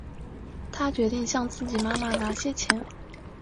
她决定向自己妈妈拿些钱